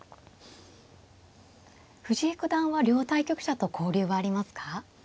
藤井九段は両対局者と交流はありますか。